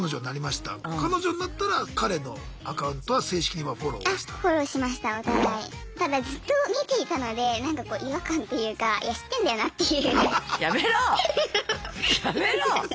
ただずっと見ていたのでなんかこう違和感っていうかいや知ってんだよなっていう。